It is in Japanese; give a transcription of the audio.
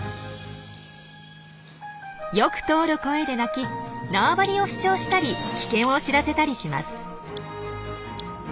よく通る声で鳴き縄張りを主張したり危険を知らせたりします。